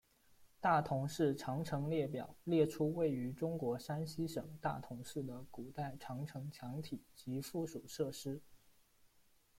大同市长城列表列出位于中国山西省大同市的古代长城墙体及附属设施。